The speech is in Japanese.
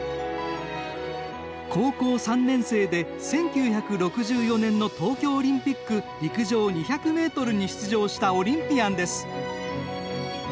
高校３年生で１９６４年の東京オリンピック陸上２００ｍに出場したオリンピアンです。